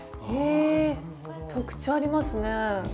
え特徴ありますね。